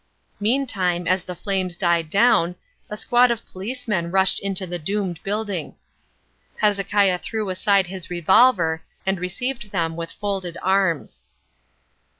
Meantime, as the flames died down, a squad of policemen rushed into the doomed building. Hezekiah threw aside his revolver and received them with folded arms.